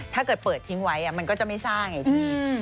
ถ้าเกิดเปิดทิ้งไว้มันก็จะไม่สร้างไงพี่